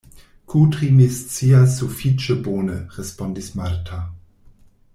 Kudri mi scias sufiĉe bone, respondis Marta.